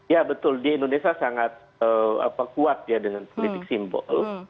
ya betul di indonesia sangat kuat ya dengan politik simbol